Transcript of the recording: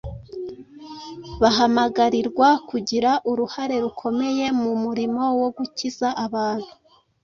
bahamagarirwa kugira uruhare rukomeye mu murimo wo gukiza abantu.